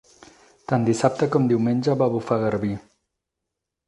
Tant dissabte com diumenge va bufar garbí.